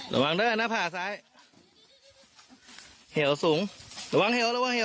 ระวังด้วยหน้าผ่าซ้ายเหี่ยวสูงระวังเหี่ยวระวังเหว